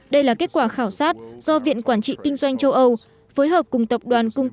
đây là kết quả khảo sát do viện quản trị kinh doanh châu âu